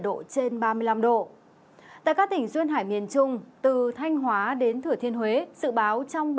độ trên ba mươi năm độ tại các tỉnh duyên hải miền trung từ thanh hóa đến thửa thiên huế dự báo trong